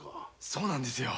そうなんですよ。